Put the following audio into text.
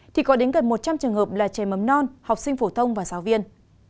thì có đến gần một trăm linh trường hợp là trẻ mầm non học sinh phổ thông và giáo viên